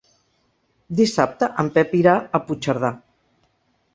Dissabte en Pep irà a Puigcerdà.